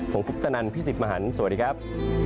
ผมคุกตะนันพี่สิบมหันสวัสดีครับ